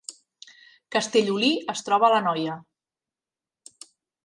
Castellolí es troba a l’Anoia